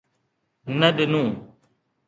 نه ڏنو